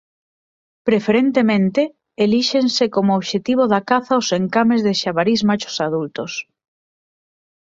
Preferentemente elíxense como obxectivo da caza os encames de xabarís machos adultos.